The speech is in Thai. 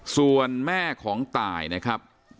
ส่วนแม่ของตายนะครับ